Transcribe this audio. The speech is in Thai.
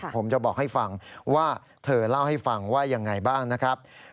ผมจะบอกให้ฟังว่าเธอเล่าให้ฟังว่ายังไงบ้างนะครับ